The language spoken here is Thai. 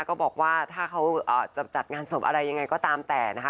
ก็บอกว่าถ้าเขาจะจัดงานศพอะไรยังไงก็ตามแต่นะคะ